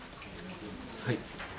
はい。